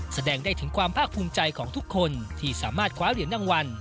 แสดงได้ถึงความพรากษ์ภูมิใจของทุกคนที่สามารถขวาเหลี่ยนนังวัน